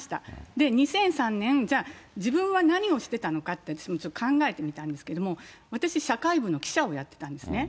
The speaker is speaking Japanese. で、２００３年、じゃあ、自分は何をしてたのかって、私もちょっと考えてみたんですけども、私、社会部の記者をやってたんですね。